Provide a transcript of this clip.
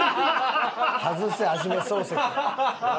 外せアジ目漱石。